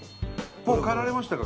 もう帰れられましたか？